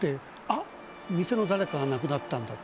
あっ店の誰かが亡くなったんだ。